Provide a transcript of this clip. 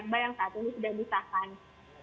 sebenarnya untuk dalam proses yang lebih partisipatif